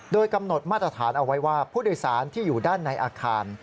โดยกำหนดมาตรฐานเอาไว้ว่าผู้โดยสารที่อยู่ด้านในอาคาร